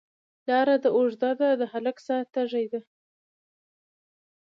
لار ده اوږده، د هلک ساه تږې ده